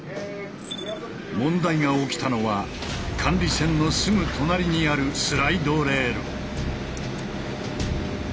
問題が起きたのは管理船のすぐ隣にあるスライドレール。